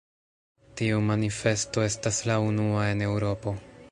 Tiu manifesto estas la unua en Eŭropo.